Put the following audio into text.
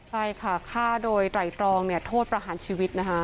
ใช่คะฆ่าโดยไตรองโทษประหารชีวิต